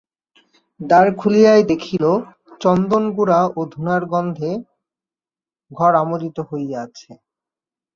দ্বার খুলিয়াই দেখিল, চন্দনগুঁড়া ও ধুনার গন্ধে ঘর আমোদিত হইয়াআছে।